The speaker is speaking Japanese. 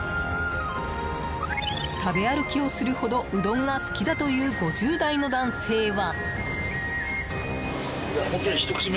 食べ歩きをするほどうどんが好きだという５０代の男性は。